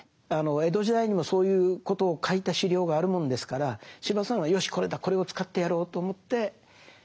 江戸時代にもそういうことを書いた資料があるもんですから司馬さんはよしこれだこれを使ってやろうと思ってお書きになった。